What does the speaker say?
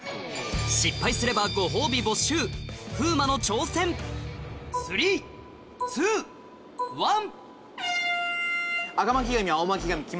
失敗すればご褒美没収風磨の挑戦ＯＫ！ＯＫ！